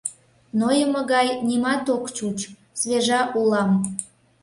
Нойымо гай нимат ок чуч, свежа улам.